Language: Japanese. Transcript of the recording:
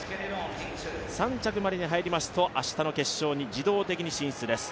３着までに入りますと明日の決勝に自動的に進出です。